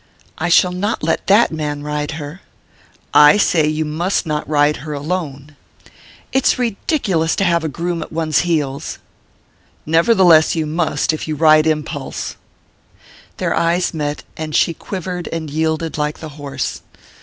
"I shall not let that man ride her." "I say you must not ride her alone." "It's ridiculous to have a groom at one's heels!" "Nevertheless you must, if you ride Impulse." Their eyes met, and she quivered and yielded like the horse.